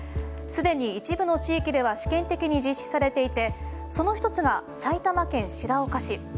すでに一部の地域では試験的に実施されていてその１つが埼玉県白岡市。